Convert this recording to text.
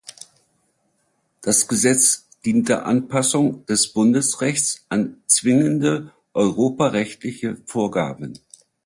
Das Gesetz dient der Anpassung des Bundesrechts an zwingende europarechtliche Vorgaben.